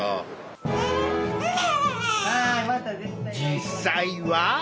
実際は。